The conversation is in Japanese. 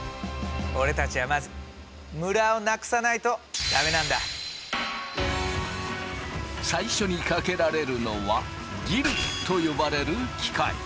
俺たちはまず最初にかけられるのはギルと呼ばれる機械。